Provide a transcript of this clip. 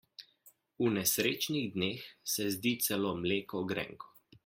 V nesrečnih dneh se zdi celo mleko grenko.